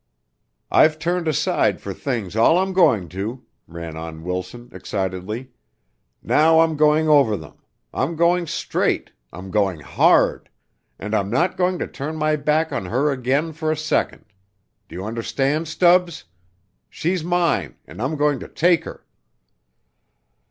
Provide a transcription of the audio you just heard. "I've turned aside for things all I'm going to," ran on Wilson, excitedly. "Now I'm going over them. I'm going straight I'm going hard and I'm not going to turn my back on her again for a second. Do you understand, Stubbs? She's mine and I'm going to take her."